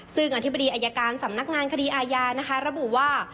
ซึ่งอธิบดีอายการสำนักงานคดีอาญานะคะระบุว่า